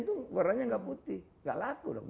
itu warnanya gak putih gak laku dong